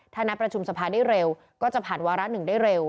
ถ้านัดประชุมสภาได้เร็วก็จะผ่านวาระหนึ่งได้เร็ว